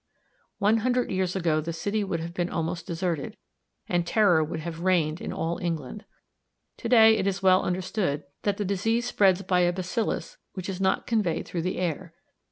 One hundred years ago the city would have been almost deserted, and terror would have reigned in all England. To day it is well understood that the disease spreads by a bacillus which is not conveyed through the air.